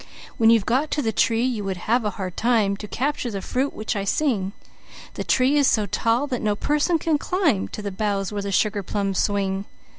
When you've got to the tree, you would have a hard time To capture the fruit which I sing; The tree is so tall that no person could climb To the boughs where the sugar plums swing!